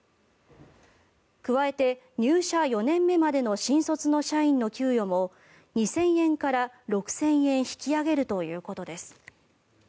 加えて、入社４年目までの新卒の社員の給与も２０００円から６０００円引き上げるということです。